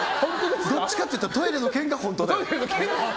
どっちかというとトイレの件が本当だよね。